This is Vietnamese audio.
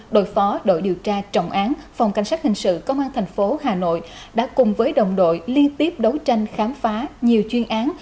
đội phó đội điều tra trọng án phòng cảnh sát hình sự công an thành phố hà nội đã cùng với đồng đội liên tiếp đấu tranh khám phá nhiều chuyên án